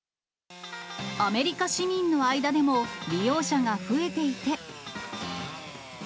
アメリカ市民の間でも、利用者が増えていて。